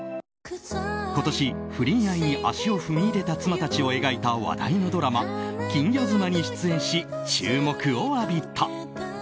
今年、不倫愛に足を踏み入れた妻たちを描いた話題のドラマ「金魚妻」に出演し注目を浴びた。